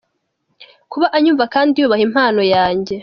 Kuba anyumva kandi yubaha impano yanjye.